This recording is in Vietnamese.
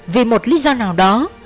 vì một lý do nào đó